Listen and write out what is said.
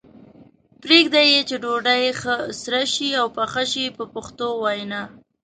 پرېږدي یې چې ډوډۍ ښه سره شي او پخه شي په پښتو وینا.